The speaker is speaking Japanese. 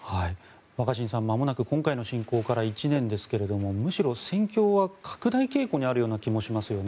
若新さん、まもなく今回の侵攻から１年ですがむしろ戦況は拡大傾向にある気もしますよね。